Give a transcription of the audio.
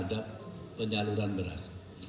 terhadap penyaluran beras